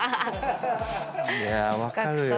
いや、分かるよ。